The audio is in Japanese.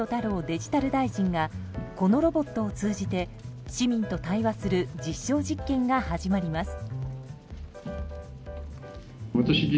デジタル大臣がこのロボットを通じて市民と対話する実証実験が始まります。